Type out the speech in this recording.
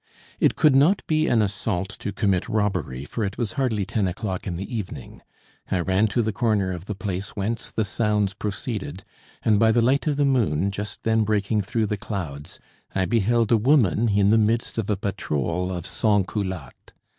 It could not be an assault to commit robbery, for it was hardly ten o'clock in the evening. I ran to the corner of the place whence the sounds proceeded, and by the light of the moon, just then breaking through the clouds, I beheld a woman in the midst of a patrol of sans culottes.